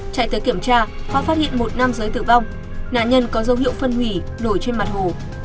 chạy tới kiểm tra phát hiện một nam giới tử vong nạn nhân có dấu hiệu phân hủy nổi trên mặt hồ